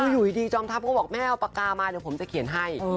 อยู่ดีจอมทัพก็บอกแม่เอาปากกามาเดี๋ยวผมจะเขียนให้